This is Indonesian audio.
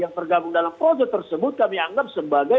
yang tergabung dalam proses tersebut kami anggap sebagai